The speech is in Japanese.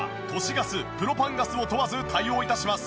ガスプロパンガスを問わず対応致します。